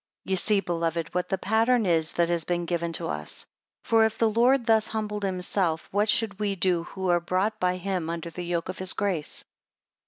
16 Ye see, beloved, what the pattern is that has been given to us. For if the Lord thus humbled himself, what should we do who are brought by him under the yoke of his grace?